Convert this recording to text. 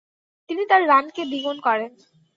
তিনি তার রানকে দ্বিগুণ করেন।